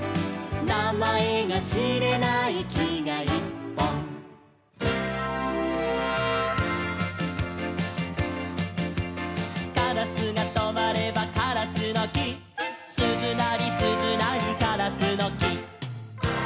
「なまえがしれないきがいっぽん」「カラスがとまればカラスのき」「すずなりすずなりカラスのき」